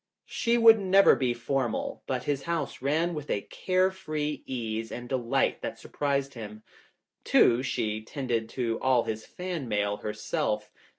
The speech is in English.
She would never be formal, but his house ran with a carefree ease and delight that surprised him. Too, she tended to all his fan mail herself.